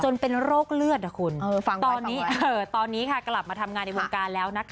เป็นโรคเลือดนะคุณตอนนี้กลับมาทำงานในวงการแล้วนะคะ